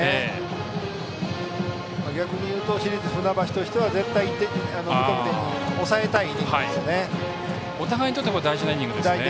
逆に言うと市立船橋としては絶対に無得点に抑えたいイニングですね。